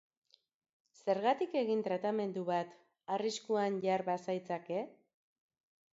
Zergatik egin tratamendu bat, arriskuan jar bazaitzake?